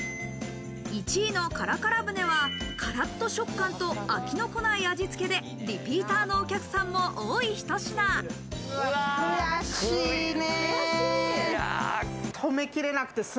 １位のからから船は、カラっと食感と飽きのこない味付けでリピーターのお客さんも多い悔しいね。